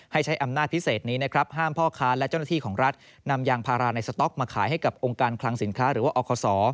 ให้ใช้อำนาจพิเศษนี้นะครับห้ามพ่อค้าและเจ้าหน้าที่ของรัฐนำยางพาราในสต๊อกมาขายให้กับองค์การคลังสินค้าหรือว่าอคศ